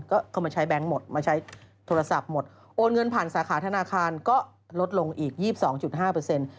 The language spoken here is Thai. ก็เข้ามาใช้แบงค์หมดมาใช้โทรศัพท์หมดโอนเงินผ่านสาขาธนาคารก็ลดลงอีกยี่สิบสองจุดห้าเปอร์เซ็นต์